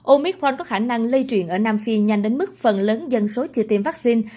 omicron có khả năng lây truyền ở nam phi nhanh đến mức phần lớn dân số chưa tiêm vaccine